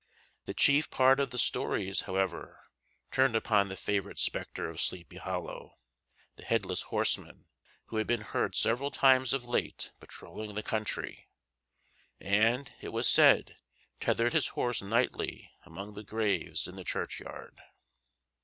The chief part of the stories, however, turned upon the favorite spectre of Sleepy Hollow, the headless horseman, who had been heard several times of late patrolling the country, and, it was said, tethered his horse nightly among the graves in the churchyard.